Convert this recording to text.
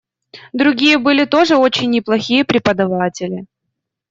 Другие были тоже очень неплохие преподаватели..